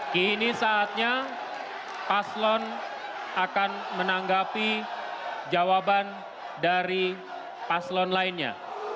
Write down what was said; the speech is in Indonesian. kini saatnya paslon akan menanggapi jawaban dari paslon lainnya